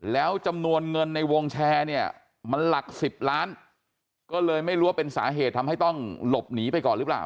แล้วจำนวนเงินในวงแชร์เนี่ยมันหลักสิบล้านก็เลยไม่รู้ว่าเป็นสาเหตุทำให้ต้องหลบหนีไปก่อนหรือเปล่า